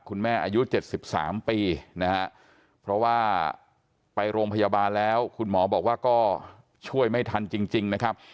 อายุ๗๓ปีนะฮะเพราะว่าไปโรงพยาบาลแล้วคุณหมอบอกว่าก็ช่วยไม่ทันจริงนะครับ